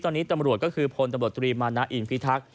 ตอนนี้ตำรวจก็คือพลตำรวจตรีมานะอินพิทักษ์